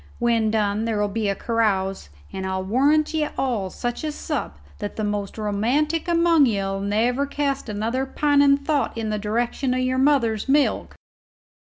When done there'll be a carouse, and I'll warrant ye all such a sup that the most romantic among ye'll never cast another pining thought in the direction o' your mother's milk."